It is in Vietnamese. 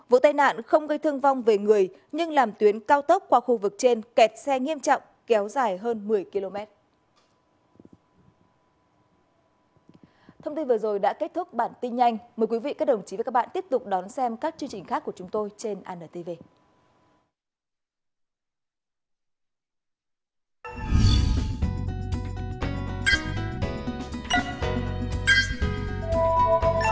vụ tai nạn không gây thương vong về người nhưng làm tuyến cao tốc qua khu vực trên kẹt xe nghiêm trọng kéo dài hơn một mươi km